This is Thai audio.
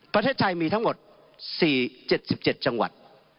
ประเทศไทยมีทั้งหมด๔๗๗จังหวัด